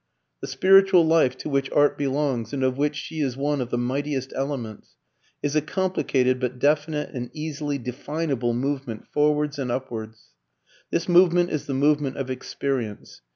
The spiritual life, to which art belongs and of which she is one of the mightiest elements, is a complicated but definite and easily definable movement forwards and upwards. This movement is the movement of experience.